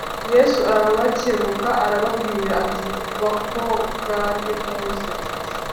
Yesu arabakebuka arababwira ati Bakobwanimuze